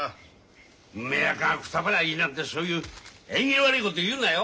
梅若がくたばりゃいいなんてそういう縁起悪いこと言うなよ？